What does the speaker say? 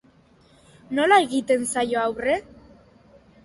Nola egiten zaio aurre?